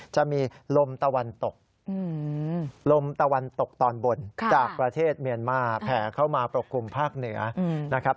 จะมีลมตะวันตกลมตะวันตกตอนบนจากประเทศเมียนมาแผ่เข้ามาปกคลุมภาคเหนือนะครับ